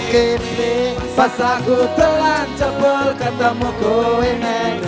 kipi pas aku telanjepul ketemu kowe nek